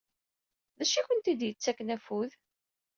D acu i akent-d-yettakken afud?